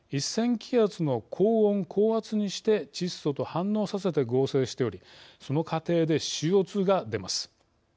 気圧の高温高圧にして窒素と反応させて合成しておりその過程でＣＯ２が出ます。